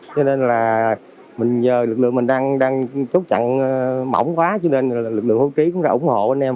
cho nên là mình nhờ lực lượng mình đang chốt chặn mỏng quá cho nên lực lượng hưu trí cũng đã ủng hộ anh em